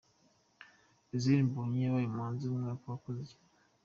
Israel Mbonyi yabaye umuhanzi w'umwaka wakoze cyane.